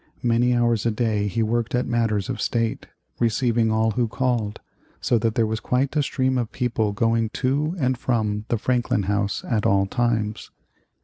Many hours a day he worked at matters of state, receiving all who called, so that there was quite a stream of people going to and from the Franklin House at all times.